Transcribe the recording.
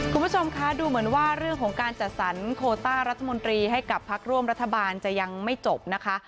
คุณผู้ชมคะดูเหมือนว่าเรื่องของการจัดสรรโคต้ารัฐมนตรีให้กับพักร่วมรัฐบาลจะยังไม่จบนะคะ